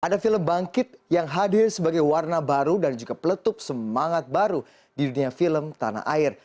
ada film bangkit yang hadir sebagai warna baru dan juga peletup semangat baru di dunia film tanah air